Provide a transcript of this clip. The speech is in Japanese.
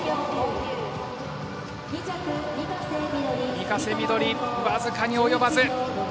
御家瀬緑、僅かに及ばず。